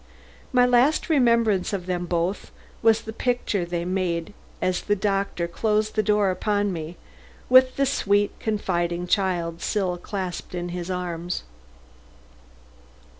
My last remembrance of them both was the picture they made as the doctor closed the door upon me, with the sweet, confiding child still clasped in his arms.